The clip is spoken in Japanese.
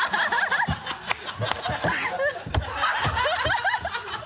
ハハハ